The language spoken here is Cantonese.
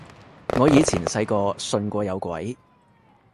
我以前細個信過有鬼